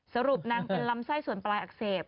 สรุปนางเป็นลำไส้ส่วนปลายอักเสบ